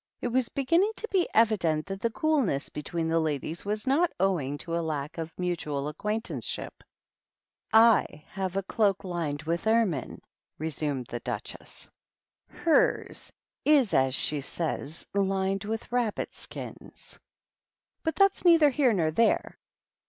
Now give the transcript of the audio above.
It was begin ning to be evident that the coolness between the ladies was not owing to a lack of mutual acquaint 128 THE RED QUEEN AND THE DUCHESS. anceship. "/ have a cloak lined with ermine," resumed the Duchess ;" hers is, as she says, lined with rabbit skins ; but that's neither here nor there.